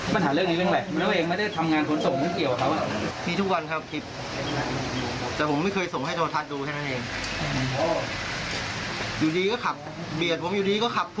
พมศักดิ์